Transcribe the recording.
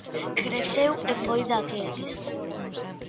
Creceu e foi daqueles.